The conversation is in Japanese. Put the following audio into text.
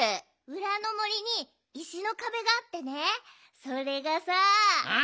うらの森にいしのかべがあってねそれがさあ。